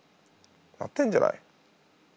なってんじゃない？